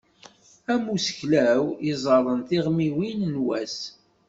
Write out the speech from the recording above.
Am umseklaw iẓerren tiɣmiwin n wass